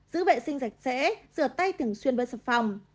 giữ vệ sinh rạch rẽ rửa tay thường xuyên với sập phòng